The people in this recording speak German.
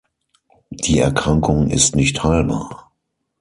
Die Erkrankung ist nicht heilbar.